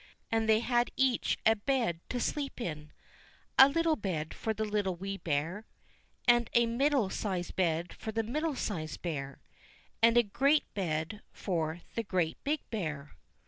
And they had each a bed to sleep in ; a little bed for the Little Wee Bear ; and a middle sized bed for the Middle sized Bear ; and a great bed for the Great Big Bear.